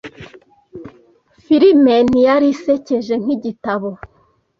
Filime ntiyari isekeje nkigitabo